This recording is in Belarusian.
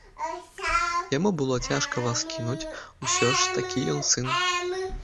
Яму было цяжка вас кінуць, усё ж такі ён сын.